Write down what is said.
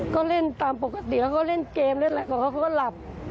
ก็เล่นตามปกติแล้วก็เล่นเกมแล้วเขาก็หลับ